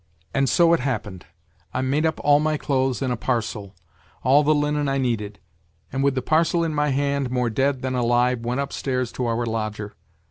And so it happened. I made up all my clothes in a parcel all the linen I needed and with the parcel in my hand, more dead than alive, went upstairs to our lodger.